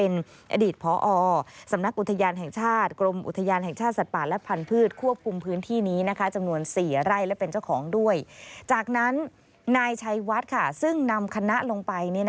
นายใช้วัดซึ่งนำคณะลงไป